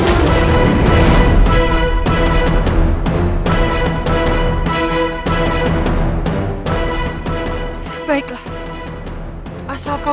aku semua sampaikan